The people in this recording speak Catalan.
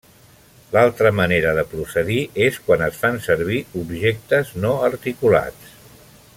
L'altra manera de procedir és quan es fan servir objectes no articulats.